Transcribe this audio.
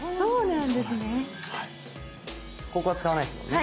ここは使わないですもんね。